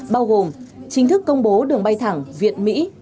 bao gồm chính thức công bố đường bay thẳng viện mỹ